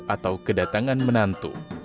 atau kedatangan menantu